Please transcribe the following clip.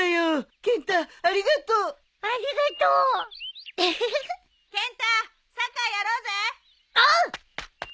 うん？